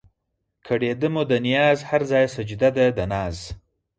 کړېده مو ده نياز هر ځای سجده د ناز